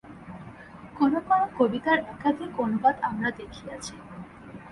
কোন কোন কবিতার একাধিক অনুবাদ আমরা দেখিয়াছি।